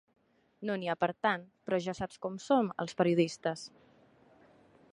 No n'hi ha per a tant, però ja saps com som els periodistes.